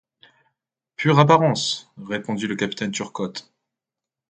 Pure apparence! répondit le capitaine Turcotte.